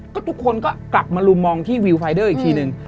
ก็ทุกคนก็กลับมาลุมมองที่วิวไฟเดอร์อีกทีนึง